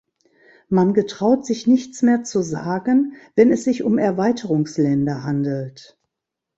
Man getraut sich nichts mehr zu sagen, wenn es sich um Erweiterungsländer handelt!